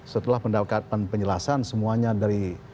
setelah mendapatkan penjelasan semuanya dari